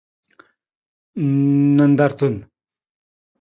نندارتون